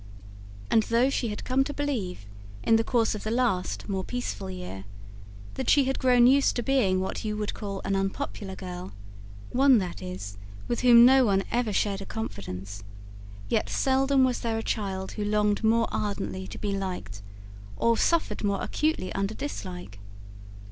And though she had come to believe, in the course of the last, more peaceful year, that she had grown used to being what you would call an unpopular girl one, that is, with whom no one ever shared a confidence yet seldom was there a child who longed more ardently to be liked, or suffered more acutely under dislike.